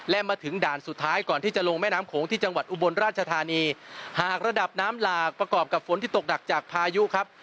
และมาถึงด่านสุดท้ายก่อนที่จะลงแม่น้ำโขงที่จังหวัดอุบลราชธานีหากระดับน้ำหลากประกอบกับฝนที่ตกหนักจากพายุครับ